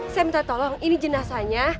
saya minta tolong ini jenazahnya